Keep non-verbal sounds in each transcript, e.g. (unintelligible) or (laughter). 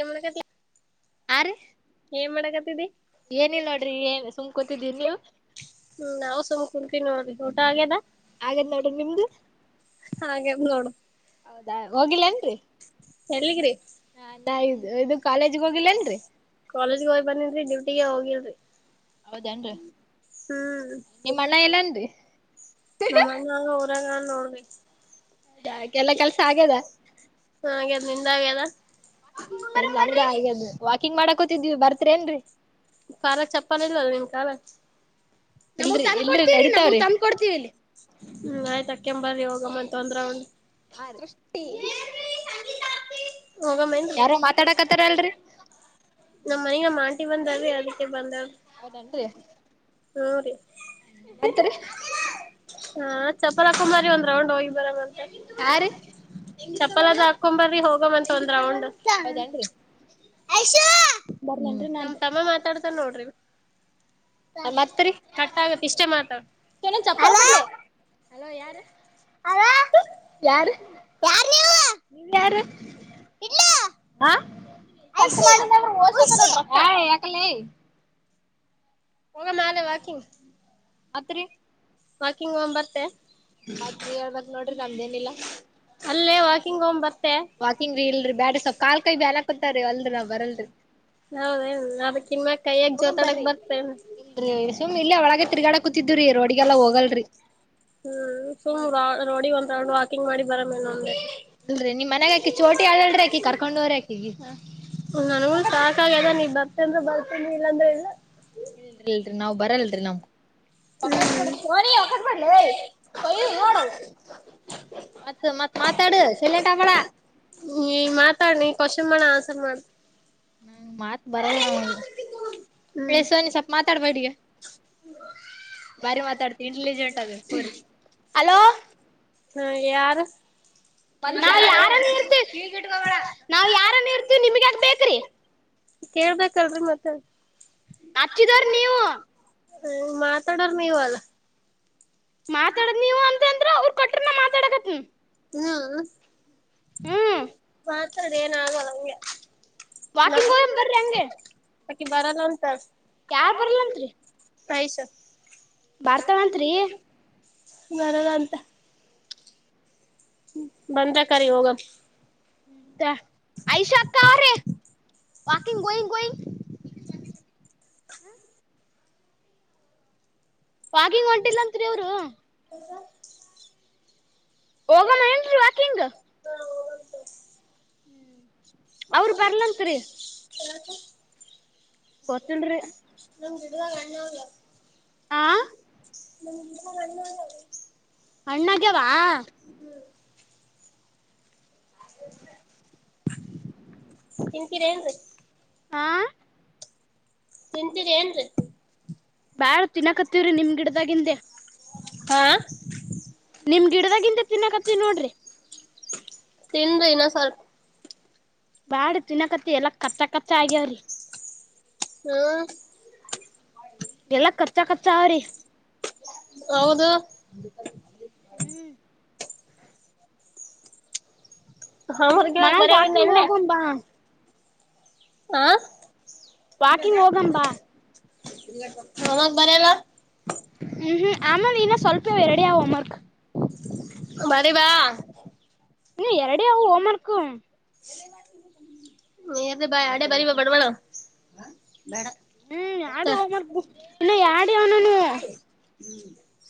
ಏನ್ಮಾಡಕ್ತ್ಯಾ ಆ ರಿ ಏನ್ ಮಾಡಕತಿದಿ ಏನಿಲ್ಲ ನೋಡ್ರಿ ಏನ್ ಸುಂ ಕತಿದ್ದೀ ನೀವು ಕುಂತಿನಿ ನೋಡ್ರಿ ಊಟ ಆಗೆದಾ ಹಾಗಾದ್ ನೋಡ್ರಿ ನಿಮ್ದು ಹಾಗ್ಯದ್ ನೋಡು (inaudible) ಹೌದಾ ಹೋಗಿಲ್ಲೇನ್ರಿ. ಎಲಿಗ್ರಿ ಹ ನಾ ಇದು ಇದು ಕಾಲೇಜ್ ಹೋಗಿಲ್ಲಲೆಂದ್ರಿ ಕಾಲೇಜ್ಗೆ ಹೋಗ್ ಬಂದೀನ್ರಿ ಡ್ಯೂಟಿಗೆ ಹೋಗಿಲ್ರರಿ. ಹೌದೇನ್ರಿ ನಿಮ್ಮ ಅಣ್ಣ ಎಲ್ಲನ್ರಿ ನಮ್ಮ ಅಣ್ಣ ನೋಡ್ರಿ ಹೌದಾ ಎಲ್ಲಾ ಕೆಲ್ಸ ಆಗ್ಯದ (unintelligible) (inaudible) ಹಾಗೆ ಅದ ನಿಂದಾ ಅಗ್ಯಾದ (unintelligible) ಹಾಗ (unintelligible) ವಾಕಿಂಗ್ ಮಾಡಕೋತಿದ್ವಿ ಬರ್ತ್ರಿ ಏನ್ರೀ ಕಾಲಲ್ಲಿ ಚಪ್ಪಾನ ಇಲ್ಲಲ್ಲ ನಿಮ ಕಾಲಗ ಇಲ್ರಿ ಅರಿತವ ತಂದು ಕೊಡ್ತೀವಿ ಇಲ್ಲಿ. ಕೆಂಬವಿ ಹೋಗಮ್ಮಂತ ಅಂದ್ರ ಒ ಹ ದೃಷ್ಟಿ. ಹೋಗಮ್ಮೇನ್ರಿ ಯಾರೋ ಮಾತಾಡಕತ್ತಾರ ಅಲ್ರರಿ ನಮ್ಮ್ ಮನಗೆ ನಮ್ಮ್ ಆಂಟಿ ಬಂದಾವ ಅದಕ್ಕೆ ಬಂದಾವ ಹೌದನ್ರಿ ಹ್ಮ ರಿ ಮತ್ರಿ ಹಾ ಚಪ್ಪಲಾ ಹಾಕೋಬಾದ್ರಿ ಒಂದ್ ರೌಂಡ್ ಹೋಗಿ ಬರಂವಂತೆ ಹಾ ರೀ ಚಪ್ಪಲ ಅದ ಹಾಕೊ ಬರ್ರಿ ಹೋಗಮ್ಮಂತ ಒಂದ್ ರೌಂಡ್ ಹೌದನ್ರಿ ಬರ್ಲೇನ್ರಿ ನಾನ್ ನಮ್ ತಮ್ಮ ಮಾತಾಡ್ತಾನ್ ನೋಡ್ರಿ ಮತ್ರಿ ಕಟ್ಟಾಗತ್ ಇಷ್ಟೇ ಮಾತ ಚಪ್ಪಲ್ ಕೊಡ್ಲೆ ಹಲೋ ಯಾರು ಯಾರ ನಿ ಯಾರು ಹ ಕಟ್ ಮಾಡಿದಾದ್ರರು ಓಸ ಒತಾವ್ ನೋಡ ರೊಕ್ಕ ಅಲೇ ಹೊಗಮಾ ಬಾಲೆ ವಾಕಿಂಗ್ ಅತ್ರಿ ವಾಕಿಂಗ ಒಗಮ್ ಬರ್ತೆ ಮತ್ ನೀವ್ ಹೇಳ್ಬೇಕ ನೋಡ್ರಿ ನಮ್ದೇನಿಲ್ಲಾ. ಅಲ್ಲೇ ವಕಿಂಗ್ ಹೋಗಮ ಬಾ ವಾಕಿಂಗ್ ರೀ ಇಲ್ರಿ ಬೇಡ ಸ್ವಪ ಕಾಲ್ ಕೈಿ ಅನಕತಾರೀ ಅಲ್ರಿ ನಾವ್ ಬರಲ್ರರಿ. ಹೌದೇನ್ ಅದಕ್ಕ ಇನ್ ಮ ಕೈ್ಯಕ್ ಹೋಗಂ ಜೋತಾಡಕ್ ಬರ್ರಿ ಬರ್ತೇನು. ಹಾಗ ತಿರ್ಗಾಡ ಬತಿದ್ರೀ ರೋಡಿಗೆಲ್ಲ ಹೋಗಲ್ರರಿ. ಹ್ಮ್ ಸುಮ್ ರೋಡಿ ಒಂದ್ರ ವಾಕಿಂಗ್ ಮಾಡಿ ಬರ ಮೇನಂದಗೆ. ಅಲ್ರೀ ನಿ್ ಮನ್ಯಾಗಾಕಿ ಚೋಟಿ ಆಲ್ರಿಿ ಅಕಿ ಕರ್ಕೊಂಡ್ ಹೋ್ರ ಆಕಗಿ. ನನ್ಗೂ ಸಾಕಾಗದ ನೀ ಬರ್ತ ಅಂದ್ರ ಬರ್ತನ್ ಇಲ್ಲಾಂದ್ರೆ ಇಲ್ಲ. ಇಲ್ರಿ ಇಲ್ರರಿ ನಾವ್ ಬರಲ್ರಿ ನಮ್. ಅಖಪ ಹ್ಮ್ ಪಡೆ ಹೋಯ್ ಅಕ್ಕಪಡ್ಲೈ ಶನ ಅಕಟ್ಪಡ ಕ ನಡೋ. ಮತ್ತ ಮತ್ ಮಾತಾಡು ಸಲೆಂಟಬಳ. ನೀ ಮಾತಾಡ್ ಕ್ವೆಶ್ಚನ್ ನಾ ಮಾತ್ ಬರಲ್ಲ ಹ್ಮ್ ನಸವನಿ ಸ್ವಪ ಮಾತಾಡ್ಬೇಡಿಗ. ಇಂಟೆಲಿಜೆಂಟ್ ಅದಿ ಹಲೋ ಹ ಹಾ ಯಾರ ನಾವ್ ಯಾರನ್ನು ಇರ್ತಿೀವಿ ನಿಮ್ಗೆ ಯಾಕ್ ಬೇಕ್ರಿ ಕೇಳ್ಬೇಕಲ್ರರಿ ಮತ್ತೆ. ಹಚ್ಚಿದಾರ ನೀವು. ಹ ಮಾತಾಡರ್ ನೀವ್ ಅಲ್ಲ. ಮಾತಾಡದ್ ನೀವ ಅಂತ ಅಂದ್ರ ಅವರು ಕೊಟ್ರನ ಮಾತಾಡಕತ್ನ. ಹ್ಮ ಹ್ಮ್ ಪತ್ರಡನ್ ಆಗಳಗೆ ವಾಕಿಂಗ್ ಹೋಗ ಬರ್ರಿ ಹಂಗೆ. ಬಕಿ ಬರಲ್ಅಂತೆ ಯಾರ್ ಬರ್ಲತ್ರಿ ಪಾಯ ಸರ್ ಬರ್ತ ಅಂತ್ರಿ ಬರಲ್ಲ ಅಂತ ಬಂದ ಕರಿ ಹೋಗ. ಐಷಾ ಅಕ್ಕ ರೇ ವಾಕಂಗ್ ಗೋಯಿಂಗ್ ಗೋಯಿಂಗ್. ಪಾಗಿಂಗ್ ಹೊಂಟಿಲ್ಲ ಅಂತ್ರಿ ಅವರು. ಹ ಹೋಗಮ್ಮ ಏನ್ ರೀ ವಾಕಿಂಗ್. ಹ್ಮ್ ಅವ್ರ ಬರ್ಲಂತ್ರಿ. ಎಲ್ಲತ್ತು ಗೊತ್ತಿಲ್ರಿ. ನಮ್ ಗಿಡದಾಗಣ್ಣಲ್ಲ. ಆ ಮು ನನ್ನಿ (unintelligible) ಅಣ್ಣಾಗ್ಯವಾ.... ತಿಂತಿರೇನ್ರಿ. ಹ ತಿಂತೀರಿ ಏನ್ರಿೀ. ಬಾಳ್ ತಿನ್ನ ಕತ್ತವ್ರಿ ನಿಮ್ ಗಿಡದಾಗಹಿಂದೆ. ಹಾ ನಿಮ್ ಗಿಡದಂತ ತಿನ್ನಾಕತ್ತವಿ ನೋಡ್ರಿ. ತಿಂದು ಇನ್ನು ಸ್ವಲ್ಪ. ಬಾಡ ತಿನ್ನಕತ್ತ ಎಲ್ಲಾ ಕರ್ಚ ಕರ್ಚ ಆಗ್ಯವ್ರಿ. ಹ್ಮ್ ಎಲ್ಲ ಕಚ್ಚ ಕಚ್ಚ ಅವ್ರಿ. ಹೌದು ಹಾ ಮರ್ಗಿಕ ಮನ್ಯಾಗ ಬರ ಬನ್ನ ವಾಕಿಂಗ್ ಎಲ್ಲೆ. ಹೋಗಂ ಬಾ ಆ ವಾಕಿಂಗ್ ಹೋಗನ್ಪಾ. (unintelligible) ಹೋಂವರ್ಕ್ ಬರೆಯಲ ಹ್ಮ್ ಹ್ಮ್ ಆಮಿನ ಸ್ವಲ್ಪ ಎರಡ ಹೋಮ್ವರ್ಕ್ ಬರೇ ಬಾ ನೀ ಎರಡೇ ಅವು ಹೋಂವರ್ಕ್ ನೀ ಇದು ಬಾ ಎಡೆ ಬಾರಿ ಬಡವಣ ಹ್ಮ್ ಎಡೆ ಹೋಮ್ ಬುಕ್ ಎಡೆ ಅವಾನಾನುವು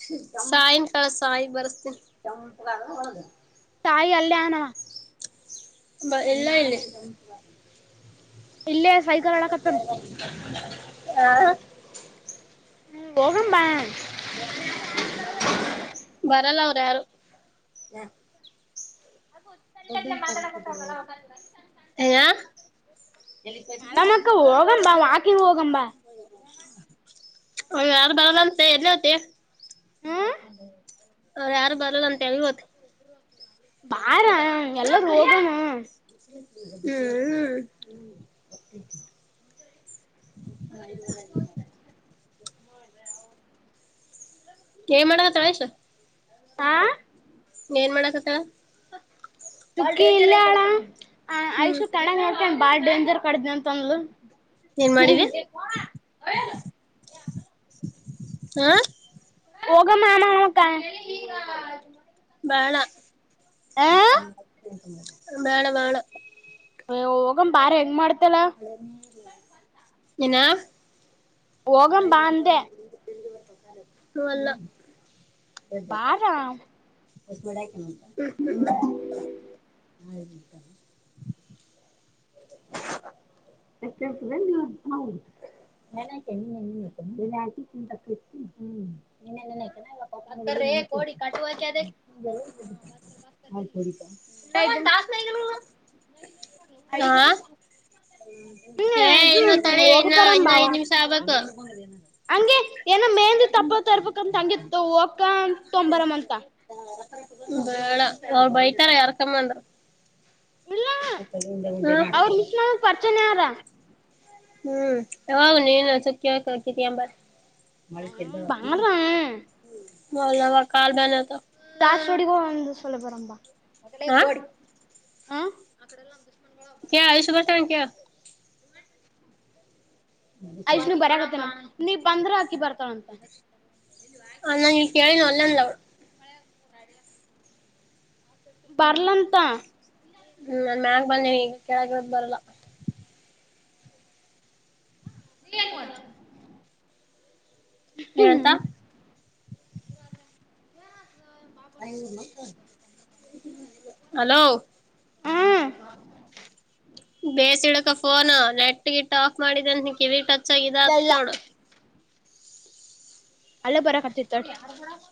ಹ್ಮ ಸಾಯನ್ ಕಳ ಸಾಯಿ ಬರ್ಸ್ತೀನ ತಾಯಿಕಲ್ಯಾಣ ಬಾ ಎಲ್ಲಾ ಇಲ್ಲಿ ಇಲ್ಲೇ ಸೈಕಲ್ ಆಡಕತ್ತನ್ ಹಾ ಹ್ಮ ಹೋಗಂಬಾ (unintelligible) ಬರಲ್ಲ ಅವ್ರ ಯಾರು (unintelligible) (inaudible) (unintelligible) (inaudible) ಮೇಡಮಕ್ಕ ಹೋಗಂ ಬಾ ವಾಕಿಂಗ್ ಹೋಗಂ ಬಾ ಅವರು ಯಾರು ಬರಲ್ಲಂತೆ ಎಲ್ಲಿ ಹೋಗ್ತಾ ಹ್ಮ್ ಅವ್ ಯಾರು ಬರಲ್ಲ ಅಂತ ಹೇಳಿ ಬಾರಾ ಎಲ್ಲಾರೂ ಹೋಗೋಣಿ ಹ್ಮ (unintelligible) (inaudible) (unintelligible) ಏನು ಮಾಡಕತ ಐಶು ಹಾ ಏನು ಮಾಡಾಕತಾಳ ಚುಕ್ಕಿ ಇಲ್ಲ ಅಣ್ಣ ಹ್ಮ್ ಐಶು ಕೆಳಗ (unintelligible) (unintelligible) ಬಾಳ್ ಡೇಂಜರ್ ಕಡ್ದ ಅಂತ ಅನ್ಲು ಏನ್ ಮಾಡಿದಿ (unintelligible) ಹಾ ಹೋಗ ಮಾಾಮ ಅವ (unintelligible) ಬೇಡ ಬೇಡ ಬೇಡ ಹೋಗೋಣ ಬರೀ ಹೆಂಗ್ ಮಾಡ್ತ (unintelligible) ಏನ ಹೋಗಂ ಬಾ ಅಂದೆ (unintelligible) ಒಲ್ಲ ಬಾರ ಇಷ್ಟು ಮಾಡೇ ಅಂಕಣ ಅಂತ ಹ್ಮ್ ಹ್ಮ್ (unintelligible) (unintelligible) ಯಾಕೆಳ್ತದೆ (unintelligible) (unintelligible) (inaudible) ಬತ್ತರ್ರೀ ಕೋಡಿ ಕಟ್ಟುವಕೆ ಅದ (unintelligible) (unintelligible) ಐದು ನೆಮ್ಮಸ ಹಾ (unintelligible) ಹ್ಮ ಏ ಇದು ಇನ್ನು ತಳಿ ಇನ್ನ ಹೊಗೇಬರಂಬ ಇನ್ನ ಐದ್ ನಿಮಿಷ ವಾಕಿಂಗ್ ಆಗ್ಬೇಕು ಹಂಗೆ ಏನೋ ಮೆಹಂದಿ ತಪ್ಪತ ಇರ್ಬೇಕಂತ ಹಂಗಗೆ ಹೋಗಕ ತೊಂಬರಮಂತ (unintelligible) ಬೇಡ ಅವರು ಬೈತಾರ ಯಾರ್ಕಮ್ಮ ಅಂದ ಇಲ್ಲ ಅವರು ಮಿಸಲ ಪಚನ ಅರಾ ಹ್ಮ್ ಅವ ಇಏನ ಸುಕವಕ ಬಾರ (unintelligible) ಹ್ಮ ಬಾರ ಓಲಾ ಅವ ಕಲ್ಲು ಬನೇ ಅತವಾ (unintelligible) ಒಂದು ಸಲ ಬರಮಾ ಬಾ ಹೋಗಲೇ ಹಾ ಕೋಡಿ ಹಾ (unintelligible) ಕೇಳ ಐಶು ಬರ್ತಾಳ ಕೇಳ ಯಷ್ಣ ಬರ್ಯಕತ್ತನ ನೀ ಬಂದ್ರ ಅಕಿ ಬರ್ತಾಳಂತ ನಾನು ಇಲ್ಲೇ ಕೇಳಿಲ್ಲ ಒಲ್ಲಂಡ್ಲು ಬರ್ಲಂಂತ ಹ್ಮ್ ನನ್ ಮ್ಯಾಗ ಬಂದ ನೀವವು ಈಗ ಕೆಳಗದ ಬರಲ್ಲಾ ನೀ ಹಗುವದು ಏನಂತ ಹ ಹ ಬಾಪುರ್ ತಮ್ಮ ಕ ಕೊ ಬಂದೋ ಹಲೋ ಮಾಡ ಹ್ಮ ಬೇಸಿಡಕ ಫೋನು ನೆಟ್ ಗಿಟ್ಟ ಆಫ್ ಮಾಡಿದಂತ ಕರಿ ಟಚ್ ಆಗಿದತ್ ಇಲ್ಲ ನೋಡು ಅಲ್ಲ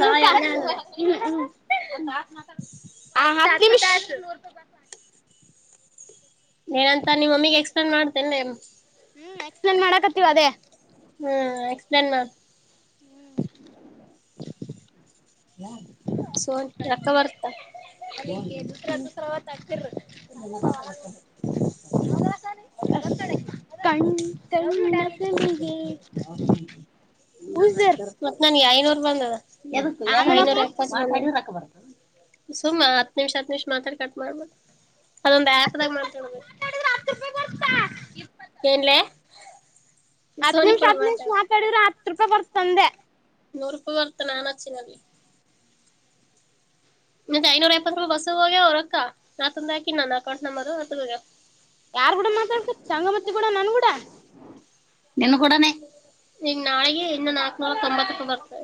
ಸಹಾಯ ಅನ್ಯಾನದು ಹ್ಮ ಹ್ಮ ಹ ಏನಂತ ನಿಮ್ಮ ಮಮ್ಮಿಗೆ ಎಕ್ಸ್ಪೆಂಡ್ ಮಾಡ್ತೇನೆ ಹ್ಮ್ ಎಕ್ಸ್ಪ್ಲೇನ್ ಮಾಡಕತ್ತೀವ ಅದೇ ಹ್ಮ್ ಎಕ್ಸ್ಪ್ಲೇನ್ ಮಾಡ ಸೋನ್ ರಕವರ್ತ ನಾಲಗೆ ದಸ್ರಾ ದಸ್ರಾ ಹೊತ್ತ ಹಗ್ತಿರ ಸ್ವಲ್ಪ ಕಣ್ಣ ಮ ಉಸರ್ ನನ್ಗೆ ಐನೂರು ಬಂದದ ಎದಕ್ಕ ಯಾವ ಐನೂರ ಆಮಲಕ್ಕ ಎಪ್ಪ ತಕ ಬರತ್ತ ಸುಮ್ಮ ಹತ್ ನಿಮಿಷ ಹತ್ ನಿಮಿಷ ಮಾತಾಡಿ ಕಟ್ ಮಾಡ್ಬೇ ಅದೊಂದು ಹತ್ ಆಪ್ದಾಗ ಮಾತಾಡುದು ನಿಮಿಷ ಏನ್ಲೆ ಹತ್ ಸೋನಿ ನಿಮಿಷ ಕೂಡ ಹತ್ ನಿಮಿಷ ಮಾತಾಡ ಮಾತಾಡಿಿದ್ರ ಆತ್ಕ ಬರ್ತಂದೆ ನೂರು ರೂಪಾಯಿ ಬರ್ತನನ್ ಅಚ್ಚನಲ್ಲಿ ಮತ್ತೆ ಐನೂರ ಪ್ಪತ್ತು ರೂಪ ಬಸ್ಸ ಹೋಗ್ಯ ಅವರಕ್ಕ ನಂದ ಹಾಕಿ ನನ್ನ ಅಕೌಂಟ್ ನಂಬರ್ ಅ ಯಾರ್ ಕೂಡ ಮಾತಾಡ್ಕ ಸಂಗಮತಿ ಕೂಡ ನನ್ಗೂಡ ನಿನು ಕೂಡಾನ ಈಗ ನಾಳಗ ಇನ್ನು ನಾಕ ನೂಲ್ಕ ತಂಬತ್ತಕ್ಕ ಬರ್ತದೆ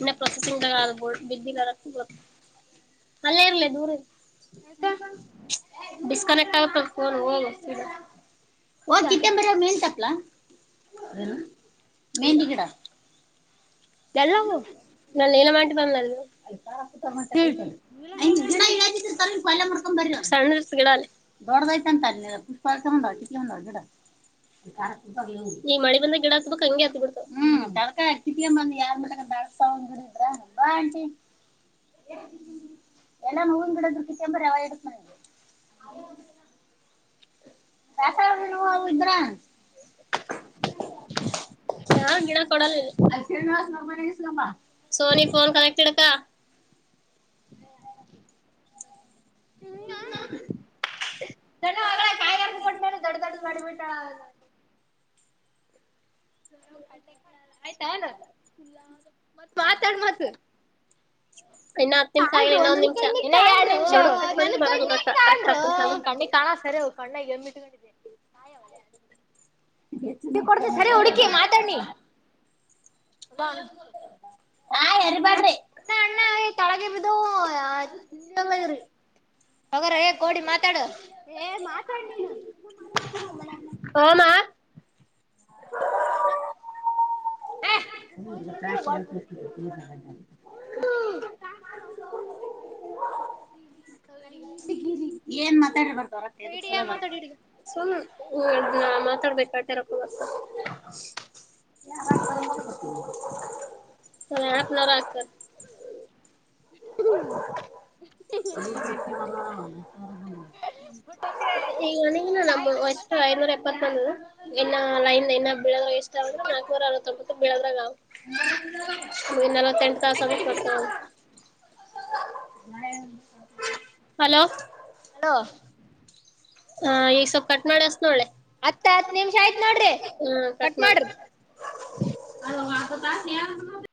ಇ ಪ್ರೊಸೆಸಿಂಗ ಬ ರು ಅಲ್ಲೇ ಇರ್ಲ ದೂರ ಆಯ್ತಾ ಡಿಸ್ಕನೆಕ್ಟ್ ಆಗ ಹೋಗ ಮೆಹತಪ್ಲ ಮೆಹಂದಿ ಕಡ ಎಲ್ಲವುು ಏಲ ಮಾಡಟ ಬ ಮಕೊಂಡ ಬೊಡ ಅಂತ ಪುಷ್ಪಾರ್ೊಂಡ ಈ ಮಳಿ ಬಂದ ಗಿಡ ಹಕ್ ಹಂಗೆ ಹತ್ತ ಬಿಡ್ತ ಯಾರ್ ಮನ ನಸ್ಸ್ಡಿದ್ರ ನಂಬಾ ಆಂಟಿ ಎಲ್ಲ ಹವನ್ ಗಿಡದ್ರು ಕತ್ತಂಬ್ರ ಅವ ಇಡಕ್ ಮ ದಸ ಇದ್ರ ಯ ಗಡ ಕೊಡ ಸೋನಿಫೋನ್ ಕಕ್ಟಡ್ ಹ ತನವಾಗಳ ಕಾಯಾರದ ಕೊಟ್ಟೇ ದೊಡ್ಡ ದೊಡ್ಡ್ದ ಮಾಡಿ ಬಿಟ್ಟಳ ನ ಆಯ್ತಾನ ಮತ್ ಮಾತಾಡ ಮಸ ಇನ್ನ ಹತ್ ಕಾ ನಿಮಿಷ ಆಗಿಲ್ಲ ಇನ್ನ ನ ಒಂದ್ ನಿಮಿಷ ನೋಡುಕ್ ಕಟ್ ಕಣ್ಣ ಮಾಡಿದ್ರ ಬರಲ್ಲ ರೊಕ್ಕ ಕರೆಕ್ಟ್ ಕಣ ಹತ್ ನಿಮಿಷ ಆದ್ಮೇಲ್ ಕಟ್ ಕಣ್ಣ ಕಾ ಸರಿ ಹ ಅಣ್ಣ ಏ ಬಿಟ್ಕೊಂಡಿದ್ದಿದೆ ಹೌ ಹ ಕೊಡ್ದ ಸರಿ ಹುಡುಕಿ ಮಾತಾಡ್ ನೀ ಹಾ ಯಾರಿ ಬಾರ್ರಿ ಅಣ್ಣ ಅಣ್ಣ ತಳಗಬಿದ್ದವ ಅವು ಹೊಗರ ಹೇ ಕೋಡಿ ಮಾತಾಡ ಮಾತಾಡ ನೀನ್ ಓಮ ಎಂ ವ ಕಲ ಏನ್ ಮಾತಾಡಿದಿರ ಬರತವ ರೊಕ್ಕ ಹಿಡಿಯ ಎದುರಿಸಲಾಗ ಮಾತಾಡಿ ಬರತವ ಹಿಡಿಯ ಸುಮ ಮಾತಾಡ್ಬೇಕ ಕರ ಹ ಸರಲ ರಕ ಹ್ಮ ನ ಹಲೋ ಷ್ಟು ಐನೂರ ಎಪ್ಪತ್ತೊಂದ ಇೈನ್ ಇಳ ಎಷ್ಟ್ರೆ ನಾಕನೂರ ಅರವೊಂಬಳ ಇಂ ಸತ ಹಲೋ ತ್ತ ಹ ಈಗ ಸ್ೊಲ್ಪ ಕಟ್ ನೋಿ ಅಸ ನೋಳ್ಳೆ ಹತ್ತ ಹತ್ ನಿಮಿಷ ಆಯ್ತ್ ನೋಡ್ರಿ ಹ್ಮ ಕಟ್ ಮಾಡ ದ ಯ